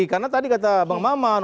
karena tadi kata bang maman